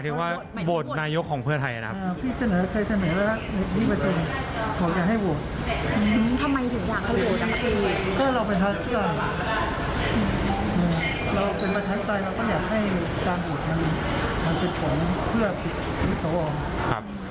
แต่ไม่ได้กังวลเรากังวลไหมคะ